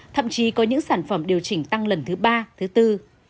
thậm chí có những sản phẩm điều chỉnh tăng lần thứ ba thứ bốn